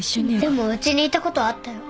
でもうちにいたことあったよ。